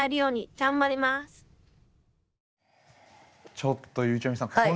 ちょっとゆうちゃみさん